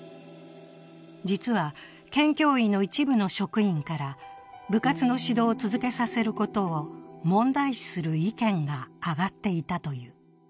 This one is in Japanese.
実は県教委の一部の職員から部活の指導を続けさせることを問題視する意見が上がっていたという。